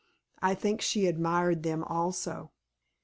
(I think she admired them also.)